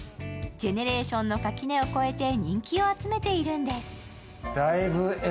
ジェネレーションの垣根を超えて人気を集めているんです。